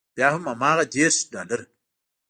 بیا هم هماغه دېرش ډالره.